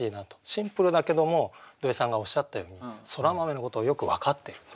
シンプルだけども土井さんがおっしゃったようにそら豆のことをよく分かっていると。